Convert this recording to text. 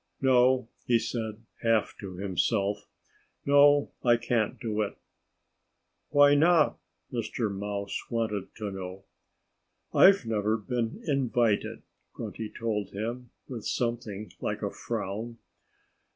"No!" he said, half to himself. "No! I can't do it." "Why not?" Mr. Mouse wanted to know. "I've never been invited," Grunty told him, with something like a frown.